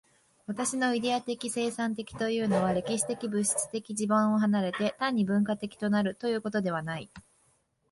私のイデヤ的生産的というのは、歴史的物質的地盤を離れて、単に文化的となるということではない。